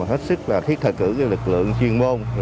hết sức thiết thợ cử lực lượng chuyên môn